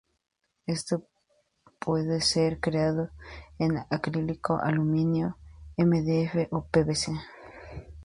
Estos pueden ser creados en acrílico, aluminio, mdf o pvc.